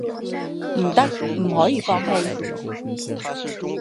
不行，不能放弃